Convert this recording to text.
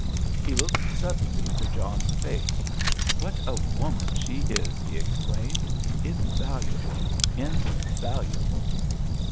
He looked suddenly into John's face. "What a woman she is!" he exclaimed. "Invaluable—invaluable!"